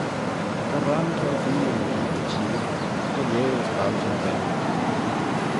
Ta ram kialteenyn mygeayrt y çheer - er lheh ayns baljyn beggey.